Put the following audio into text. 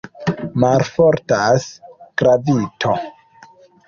Malfortas gravito!